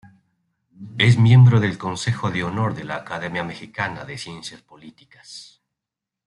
Es miembro del Consejo de Honor de la Academia Mexicana de Ciencias Políticas.